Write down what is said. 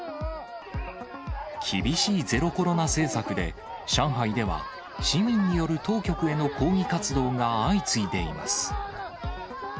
厳しいゼロコロナ政策で、上海では市民による当局への抗議活動が相次いでいます。